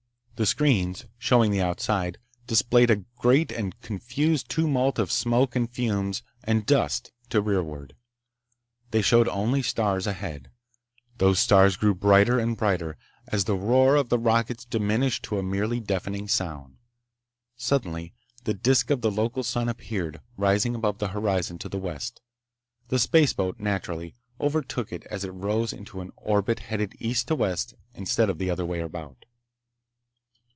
The screens, showing the outside, displayed a great and confused tumult of smoke and fumes and dust to rearward. They showed only stars ahead. Those stars grew brighter and brighter, as the roar of the rockets diminished to a merely deafening sound. Suddenly the disk of the local sun appeared, rising above the horizon to the west. The spaceboat, naturally, overtook it as it rose into an orbit headed east to west instead of the other way about.